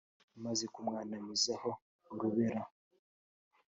imaze kumwanamizaho urubera